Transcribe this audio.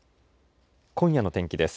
今夜の天気です。